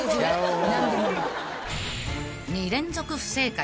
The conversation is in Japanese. ［２連続不正解］